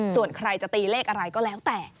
ส่วนใครจะตีเลขอะไรก็แล้วแต่